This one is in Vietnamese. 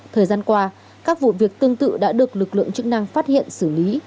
thời gian qua các vụ việc tương tự đã được lực lượng chức năng phát hiện xử lý